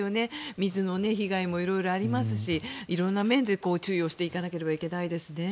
水の被害もいろいろありますしいろんな面で注意していかなければいけないですね。